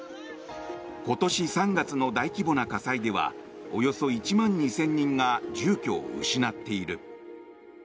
今年３月の大規模な火災ではおよそ１万２０００人が住居を失っている。